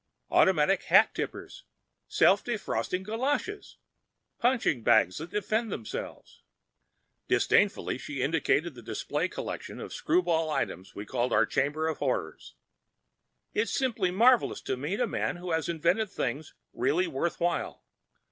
Automatic hat tippers, self defrosting galoshes, punching bags that defend themselves—" Disdainfully she indicated the display collection of screwball items we call our Chamber of Horrors. "It's simply marvelous to meet a man who has invented things really worth while."